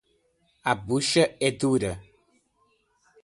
A bucha é dura